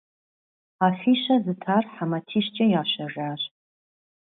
Афищэ зытар хьэ матищкӀэ ящэжащ.